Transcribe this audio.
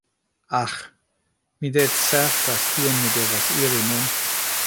Aĥ! Mi ne certas kien mi devas iri nun.